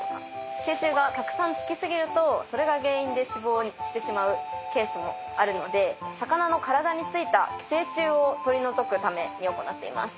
寄生虫がたくさんつき過ぎるとそれが原因で死亡してしまうケースもあるので魚の体についた寄生虫を取り除くために行っています。